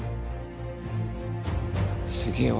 すげえ